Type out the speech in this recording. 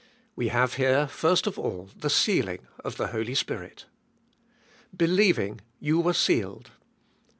We have here first of all the sealing of the Holy Spirit. *' Believing , you were sealed."